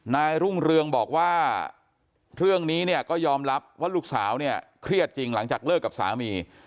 รุ่งเรืองบอกว่าเรื่องนี้เนี่ยก็ยอมรับว่าลูกสาวเนี่ยเครียดจริงหลังจากเลิกกับสามี